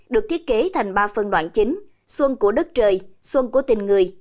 được thiết kế thành ba phân đoạn chính xuân của đất trời xuân của tình người